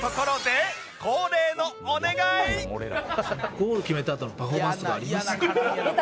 ゴール決めたあとのパフォーマンスとかあります？